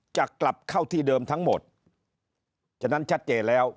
จะกลับเข้าที่เดิมทั้งหมดฉะนั้นชัดเจนแล้ว